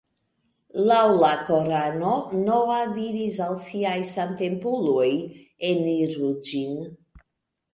Laŭ la Korano Noa diris al siaj samtempuloj: ""Eniru ĝin.